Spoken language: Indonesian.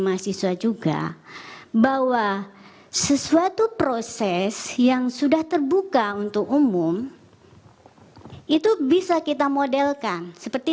mahasiswa juga bahwa sesuatu proses yang sudah terbuka untuk umum itu bisa kita modelkan seperti